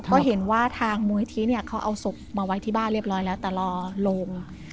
ก็เห็นว่าทางมูลนิธิเนี่ยเขาเอาศพมาไว้ที่บ้านเรียบร้อยแล้วแต่รอลง